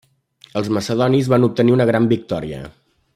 Els macedonis van obtenir una gran victòria.